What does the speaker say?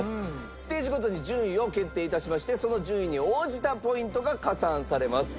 ステージごとに順位を決定致しましてその順位に応じたポイントが加算されます。